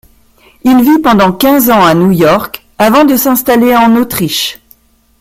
Il vit pendant quinze ans à New York avant de s’installer en Autriche.